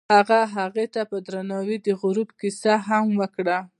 هغه هغې ته په درناوي د غروب کیسه هم وکړه.